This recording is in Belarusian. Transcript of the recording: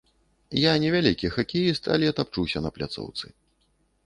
Я не вялікі хакеіст, але тапчуся на пляцоўцы.